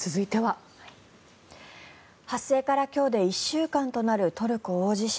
発生から今日で１週間となるトルコ大地震。